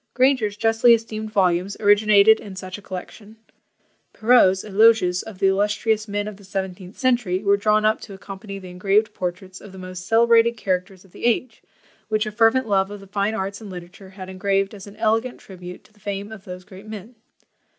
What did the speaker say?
Granger's justly esteemed volumes originated in such a collection. Perrault's Eloges of "the illustrious men of the seventeenth century" were drawn up to accompany the engraved portraits of the most celebrated characters of the age, which a fervent love of the fine arts and literature had had engraved as an elegant tribute to the fame of those great men.